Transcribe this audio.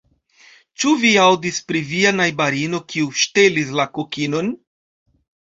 Ĉu vi aŭdis pri via najbarino kiu ŝtelis la kokinon?